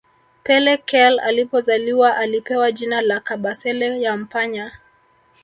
Pepe Kalle alipozaliwa alipewa jina la Kabasele Yampanya